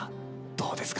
どうですか？